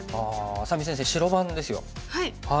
愛咲美先生白番ですよ。